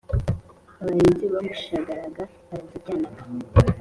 abarinzi bamushagaraga barazijyanaga